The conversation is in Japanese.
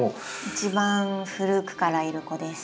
一番古くからいる子です。